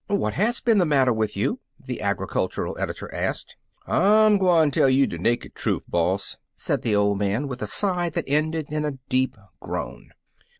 "What has been the matter with you?'* the agricultural editor asked. "I 'm gwine tell you de ^lakid troof, boss," said the old man, with a sigh that ended in a deep groan.